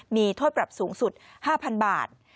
มีโทษปรับสูงสุด๕๐๐๐บาท